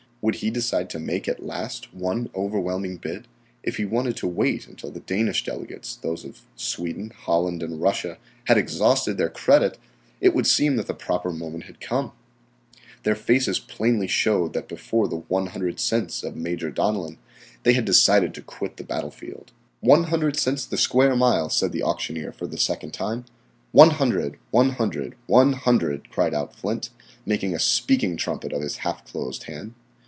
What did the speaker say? Would he decide to make at last one overwhelming bid? If he wanted to wait until the Danish delegates, those of Sweden, Holland, and Russia had exhausted their credit, it would seem that the proper moment had come. Their faces plainly showed that before the "100 cents" of Major Donellan, they had decided to quit the battlefield. "One hundred cents the square mile," said the auctioneer for the second time, "One hundred, one hundred, one hundred," cried out Flint, making a speaking trumpet of his half closed hand.